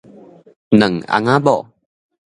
兩翁仔某